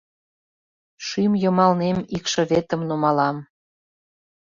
Шӱм йымалнем икшыветым нумалам...